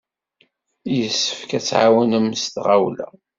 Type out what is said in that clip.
Yessefk ad t-tɛawnem s tɣawla!